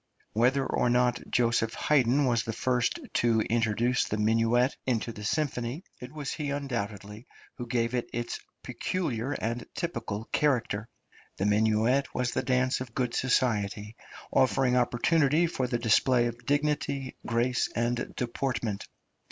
Whether or not Josef Haydn was the first to introduce the minuet into the symphony, it was he undoubtedly who gave it its peculiar and typical character. The minuet was the dance of good society, affording opportunity for the display of dignity, grace, and deportment.